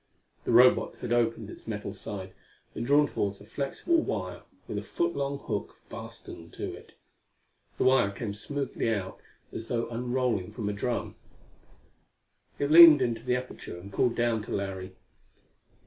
The Robot had opened its metal side and drawn forth a flexible wire with a foot long hook fastened to it. The wire came smoothly out as though unrolling from a drum. It leaned into the aperture and called down to Larry.